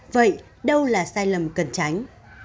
vậy đâu là sai lầm cần tránh